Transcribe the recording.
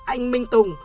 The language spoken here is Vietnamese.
anh minh tùng